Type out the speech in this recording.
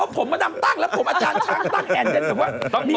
แล้วผมมาตั้งตั้งและผมอาจารย์กันตั้งแผ่น